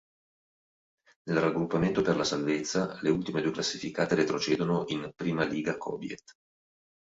Nel raggruppamento per la salvezza le ultime due classificate retrocedono in I Liga Kobiet.